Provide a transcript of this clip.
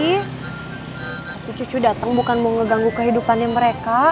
tapi cucu datang bukan mau ngeganggu kehidupannya mereka